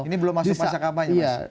ini belum masuk pasca kapanya mas